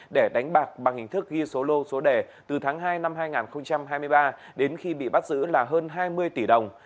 để đánh bạc bằng hình thức ghi số lô số đề từ tháng hai năm hai nghìn hai mươi ba đến khi bị bắt giữ là hơn hai mươi tỷ đồng